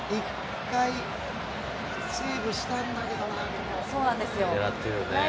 １回セーブしたんだけどな。